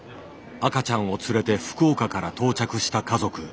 赤ちゃんを連れて福岡から到着した家族。